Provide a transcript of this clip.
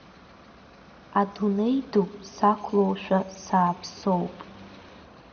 Адунеи ду сақәлоушәа сааԥсоуп.